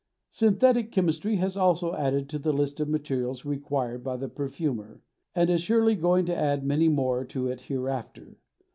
Synthetic chemistry has also added to the list of materials required by the perfumer, and is surely going to add many more to it hereafter.